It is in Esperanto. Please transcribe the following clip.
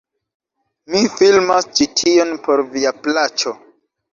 Mi filmas ĉi tion por via plaĉo...